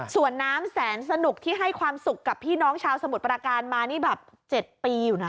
ส่วนน้ำแสนสนุกที่ให้ความสุขกับพี่น้องชาวสมุทรประการมานี่แบบ๗ปีอยู่นะ